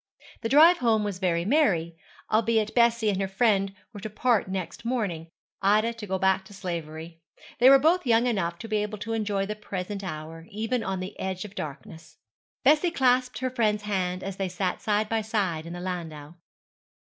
The drive home was very merry, albeit Bessie and her friend were to part next morning Ida to go back to slavery. They were both young enough to be able to enjoy the present hour, even on the edge of darkness. Bessie clasped her friend's hand as they sat side by side in the landau.